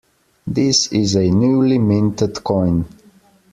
This is a newly minted coin.